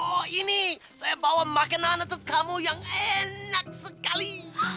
oh ini saya bawa makanan untuk kamu yang enak sekali